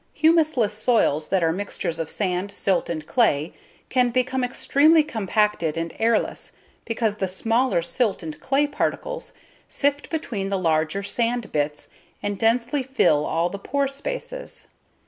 Humusless soils that are mixtures of sand, silt, and clay can become extremely compacted and airless because the smaller silt and clay particles sift between the larger sand bits and densely fill all the pore spaces.